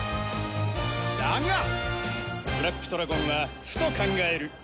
だがブラックトラゴンはふと考える。